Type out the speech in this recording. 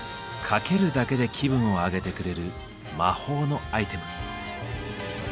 かけるだけで気分を上げてくれる「魔法のアイテム」。